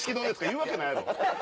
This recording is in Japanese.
言うわけないやろ！